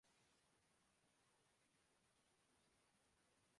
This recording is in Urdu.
چیزوں کا بنا سوچے سمجھے کرتا ہوں